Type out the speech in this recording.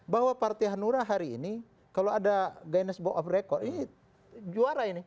bahwa partai hanura hari ini kalau ada guinness box of record ini juara ini